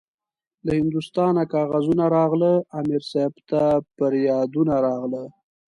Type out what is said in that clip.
له هندوستانه کاغذونه راغله- امیر صاحب ته پریادونه راغله